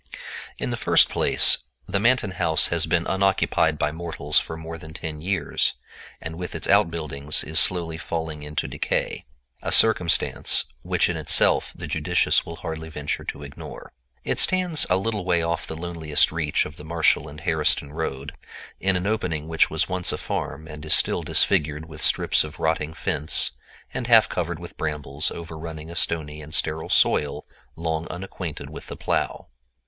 In the first place the Manton house has been unoccupied by mortals for more than ten years, and with its outbuildings is slowly falling into decay—a circumstance which in itself the judicious will hardly venture to ignore. It stands a little way off the loneliest reach of the Marshall and Harriston road, in an opening which was once a farm and is still disfigured with strips of rotting fence and half covered with brambles overrunning a stony and sterile soil long unacquainted with the plow.